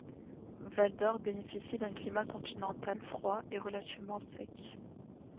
Val-d'Or bénéficie d'un climat continental froid et relativement sec.